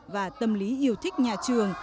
và tâm lý yêu thích nhà trường